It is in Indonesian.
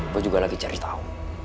gue juga lagi cari tahu